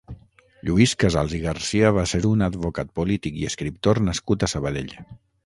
Lluís Casals i Garcia va ser un advocat, polític i escriptor nascut a Sabadell.